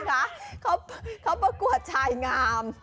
คุณคะเขาประกวดชายงาม